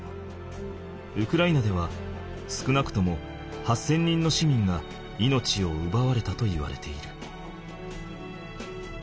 ウクライナでは少なくとも８，０００人の市民が命を奪われたといわれている。